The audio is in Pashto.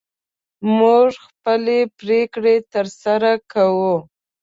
موږ خپلې پرېکړې تر سره کوو.